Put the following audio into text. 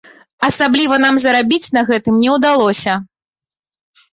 Асабліва нам зарабіць на гэтым не ўдалося.